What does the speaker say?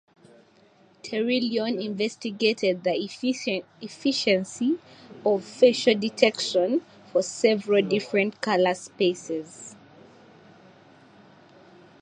Terrillon investigated the efficiency of facial detection for several different color spaces.